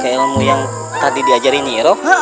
ilmu yang tadi diajarin jiro